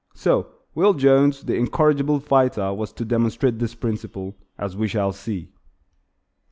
So Will Jones, the incorrigible fighter was to demonstrate this principle, as we shall see.